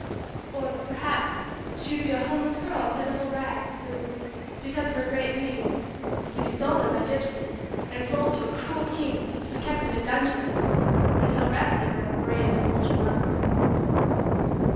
Or, perhaps, she would be a homeless girl in pitiful rags who, because of her great beauty, would be stolen by gypsies and sold to a cruel king to be kept in a dungeon until rescued by a brave soldier lover.